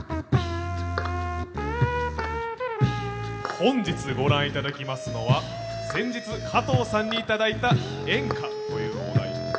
本日ご覧いただきますのは、先日、加藤さんにいただきました演歌というお題。